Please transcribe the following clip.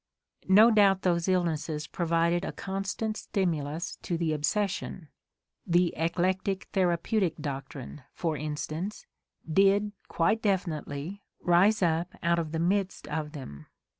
No doubt those illnesses provided a constant stimulus to the obsession — the "eclectic therapeutic doc trine," for instance, did, quite definitely, rise up out of the midst of them.